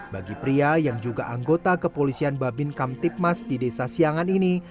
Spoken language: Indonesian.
bagi pria yang juga anggota kepolisian babin kamtipmas di desa siangan ini